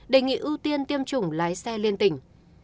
đề nghị ưu tiên tiêm chủng lái xe liên tỉnh